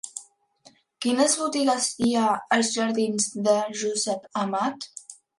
Quines botigues hi ha als jardins de Josep Amat?